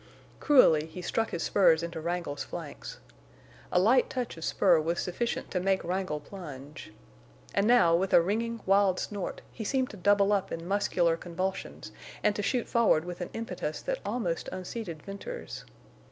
Cruelly he struck his spurs into Wrangle's flanks. A light touch of spur was sufficient to make Wrangle plunge. And now, with a ringing, wild snort, he seemed to double up in muscular convulsions and to shoot forward with an impetus that almost unseated Venters.